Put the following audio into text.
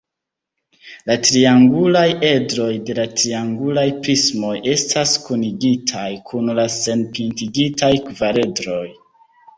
La triangulaj edroj de la triangulaj prismoj estas kunigitaj kun la senpintigitaj kvaredroj.